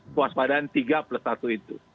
puas badan tiga plus satu itu